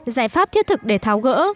giải pháp thiết thực để tháo gỡ